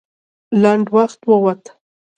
لنډ وخت ووت.